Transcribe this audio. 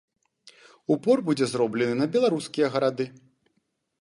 Упор будзе зроблены на беларускія гарады.